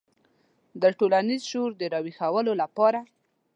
د ټولنیز شعور د راویښولو لپاره.